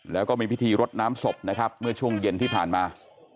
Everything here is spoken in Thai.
แล้วก็มีพิธีรดน้ำศพนะครับเมื่อช่วงเย็นที่ผ่านมา